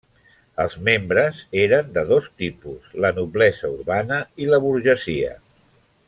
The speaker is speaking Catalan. Els membres eren de dos tipus: la noblesa urbana i la burgesia.